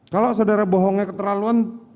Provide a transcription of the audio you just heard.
kalau saudara bohongnya keterlaluan